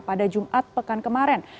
pada jumat pekan kemarin